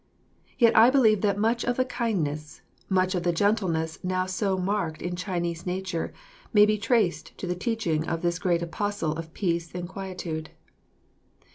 Yet I believe that much of the kindliness, much of the gentleness now so marked in Chinese nature, may be traced to the teaching of this great apostle of peace and quietude.